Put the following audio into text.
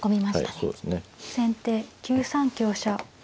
先手９三香車。